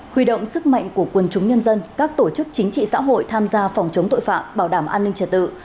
huy động sức mạnh của quân chúng nhân dân các tổ chức chính trị xã hội tham gia phòng chống tội phạm bảo đảm an ninh trật tự